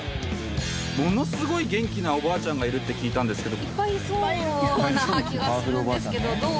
ものすごい元気なおばあちゃんがいるって聞いたんですけど。